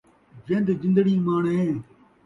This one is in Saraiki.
جِندجِندڑی ماݨیں